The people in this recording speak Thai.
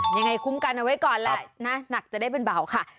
ยังไงคุ้มกันเอาไว้ก่อนแล้วนะหนักจะได้เป็นเบาค่ะ